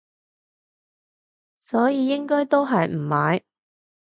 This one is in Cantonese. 所以應該都係唔買